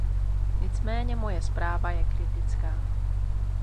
Nicméně moje zpráva je kritická.